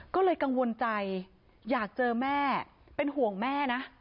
ก็เลยกังวลใจอยากเจอแม่เป็นห่วงแม่นะ